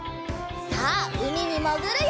さあうみにもぐるよ！